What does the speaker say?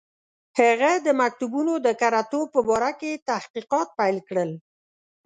هغه د مکتوبونو د کره توب په باره کې تحقیقات پیل کړل.